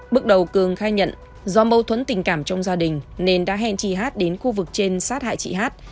bước đầu cường khai nhận do mâu thuẫn tình cảm trong gia đình nên đã hẹn chi hát đến khu vực trên sát hại chị hát